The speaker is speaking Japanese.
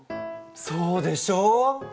そうでしょう？